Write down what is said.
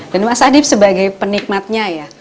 dan mas adip sebagai penikmatnya ya